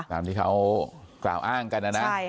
ตามที่เขากล่าวอ้างกันนะนะ